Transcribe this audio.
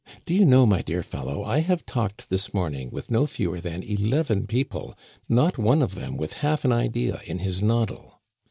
Do you know, my dear fellow, I have talked this morning with no fewer than eleven people, not one of them with half an idea in his noddle